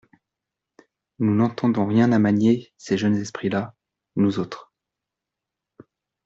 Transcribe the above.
Nous n’entendons rien à manier ces jeunes esprits-là, nous autres…